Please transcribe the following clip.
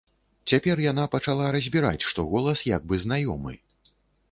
Цяпер яна пачала разбіраць, што голас як бы знаёмы.